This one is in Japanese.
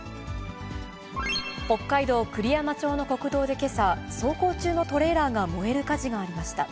北海道栗山町の国道でけさ、走行中のトレーラーが燃える火事がありました。